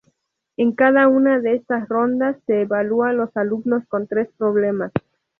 En cada una de estas rondas, se evalúa a los alumnos con tres problemas.